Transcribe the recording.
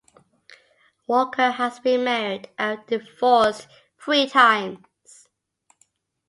Walker has been married and divorced three times.